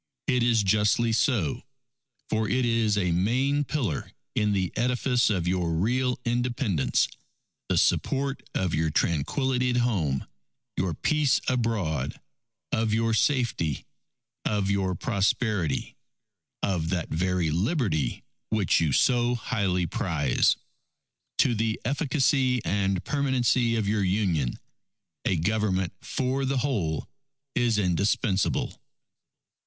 _ _It is justly so; for it is a main pillar in the edifice of your real Independence, the support of your tranquility at home, your peace abroad; of your safety; of your prosperity; of that very Liberty, which you so highly prize._ ... _To the efficacy and permanency of your Union, a Government for the whole is indispensable.